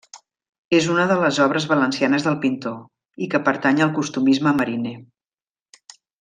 És una de les obres valencianes del pintor, i que pertany al costumisme mariner.